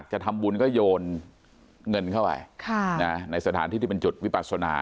จะทำบุญก็โยนเงินเข้าไปในสถานที่ที่เป็นจุดวิปัสนา